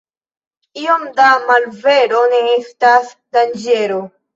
Iom da malvero ne estas danĝero.